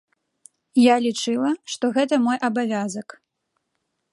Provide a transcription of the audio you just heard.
Я лічыла, што гэта мой абавязак.